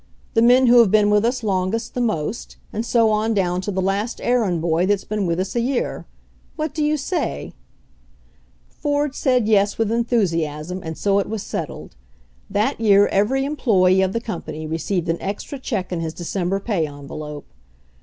The men who have been with us longest the most, and so on down to the last errand boy that's been with us a year. What do you say ?" Ford said yes with enthusiasm, and so it was settled. That year every employee of the com pany received an extra check in his December pay envelope.